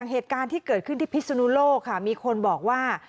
เหตุการณ์ที่เกิดขึ้นที่พิศนุโลกค่ะมีคนบอกว่า